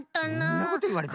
そんなこといわれたって。